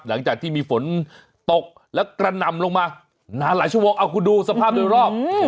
หลังจากที่มีฝนตกแล้วกระหน่ำลงมานานหลายชั่วโมงเอาคุณดูสภาพโดยรอบ